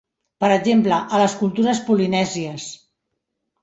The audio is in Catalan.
Per exemple, a les cultures polinèsies.